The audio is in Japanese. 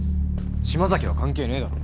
島崎は関係ねえだろ。